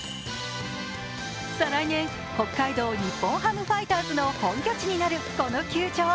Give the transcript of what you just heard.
再来年、北海道日本ハムファイターズの本拠地になるこの球場。